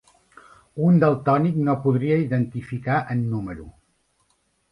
Un daltònic no podria identificar en número.